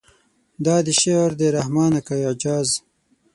دا دې شعر دی رحمانه که اعجاز.